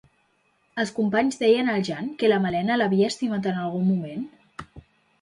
Els companys deien al Jan que la Malena l'havia estimat en algun moment?